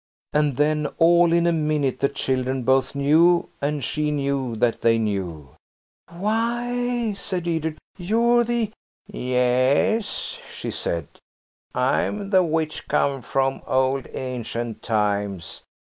And then all in a minute the children both knew, and she knew that they knew. "Why," said Edred, "you're the–" "Yes," she said, "I'm the witch come from old ancient times.